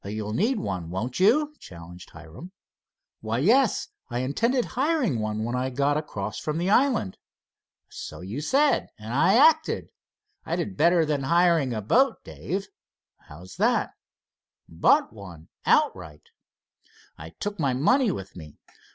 "You'll need one, won't you?" challenged Hiram. "Why, yes. I intended hiring one when I got across from the island." "So you said, and I acted. I did better than hiring a boat, Dave." "How is that?" "Bought one outright. I took my money with me.